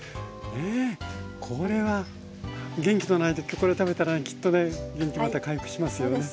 これは元気のない時これ食べたらきっとね元気また回復しますよね。